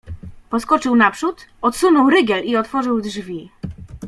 "Poskoczył naprzód, odsunął rygiel i otworzył drzwi."